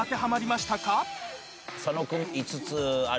佐野君５つある。